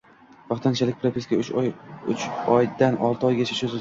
Vaqtinchalik propiska uch oydan olti oyga cho‘zilgani